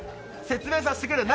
説明させてくれよ。